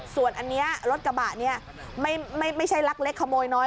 ส่วนอันนี้รถกระบะเนี่ยไม่ใช่ลักเล็กขโมยน้อย